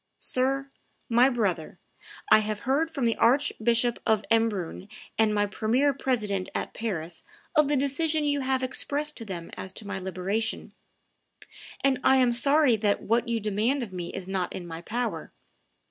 "Sir, my brother, I have heard from the Archbishop of Embrun and my premier president at Paris of the decision you have expressed to them as to my liberation, and I am sorry that what you demand of me is not in my power.